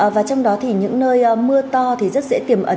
và trong đó thì những nơi mưa to thì rất dễ tiềm ẩn